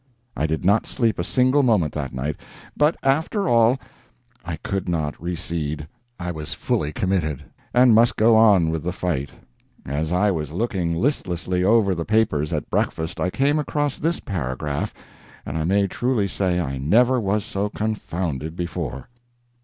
I did not sleep a single moment that night. But, after all, I could not recede. I was fully committed, and must go on with the fight. As I was looking listlessly over the papers at breakfast I came across this paragraph, and I may truly say I never was so confounded before.